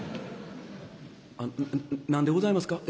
「あ何でございますか？」。